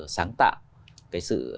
sáng tạo cái sự